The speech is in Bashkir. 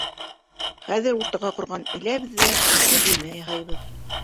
Хәҙер уртаға ҡорған эләбеҙ ҙә ике бүлмә яһайбыҙ.